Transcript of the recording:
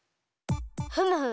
ふむふむ。